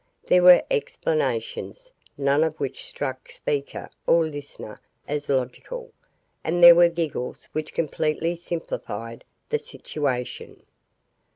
There were explanations none of which struck speaker or listener as logical and there were giggles which completely simplified the situation.